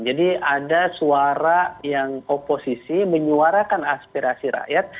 jadi ada suara yang oposisi menyuarakan aspirasi rakyat